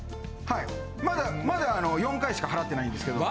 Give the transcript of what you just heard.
はいまだ４回しか払ってないんですけど。